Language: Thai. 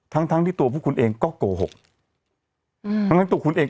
ทั้งที่ตัวพวกคุณเองก็โกหก